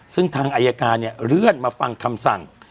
ซึ่งทางอายการเนี่ยเลื่อนมาฟังคำสั่ง